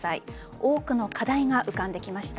多くの課題が浮かんできました。